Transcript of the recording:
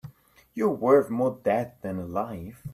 You're worth more dead than alive.